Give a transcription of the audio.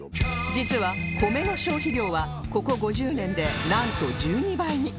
実は米の消費量はここ５０年でなんと１２倍に！